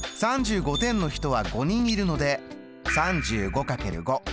３５点の人は５人いるので３５×５。